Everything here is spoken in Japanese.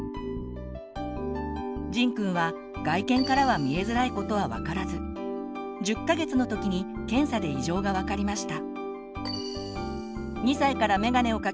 じんくんは外見からは見えづらいことはわからず１０か月のときに検査で異常がわかりました。